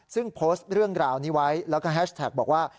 ซึ่งโพสต์เรื่องราวนี้ไว้แล้วก็แฮชแท็กบอกว่า